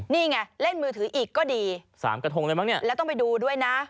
นี่ไงเล่นมือถืออีกก็ดีแล้วต้องไปดูด้วยนะ